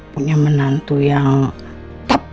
punya menantu yang top